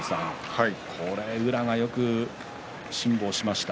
これ、宇良がよく辛抱しました。